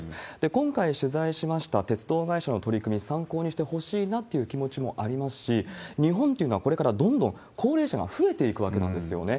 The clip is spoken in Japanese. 今回、取材しました鉄道会社の取り組み、参考にしてほしいなという気持ちもありますし、日本っていうのは、これからどんどん高齢者が増えていくわけなんですよね。